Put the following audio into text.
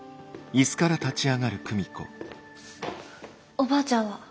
おばあちゃんは？